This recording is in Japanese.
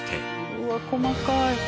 うわっ細かい。